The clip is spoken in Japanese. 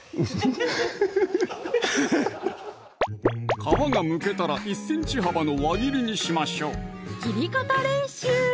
フフフフッハハッ皮がむけたら１ｃｍ幅の輪切りにしましょう切り方練習！